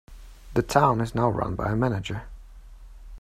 The town is now run by a manager.